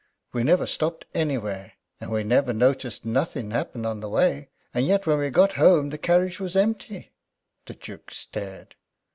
We never stopped anywhere, and we never noticed nothing happen on the way; and yet when we got home the carriage was empty." The Duke stared.